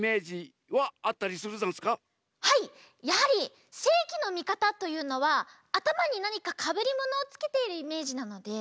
やはりせいぎのみかたというのはあたまになにかかぶりものをつけているイメージなので。